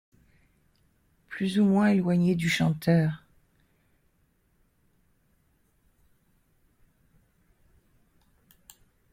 Plus ou moins éloignés du chanteur.